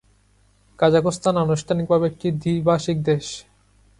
কাজাখস্তান আনুষ্ঠানিকভাবে একটি দ্বিভাষিক দেশ।